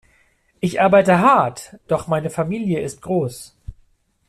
Ich arbeite hart, doch meine Familie ist groß.